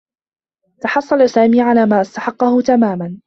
تحصّل سامي على ما استحقّه تماما.